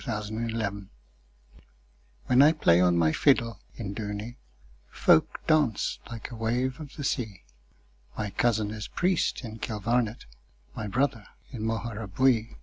11. The Fiddler of Dooney WHEN I play on my fiddle in Dooney, Folk dance like a wave of the sea; My cousin is priest in Kilvarnet, My brother in Moharabuiee.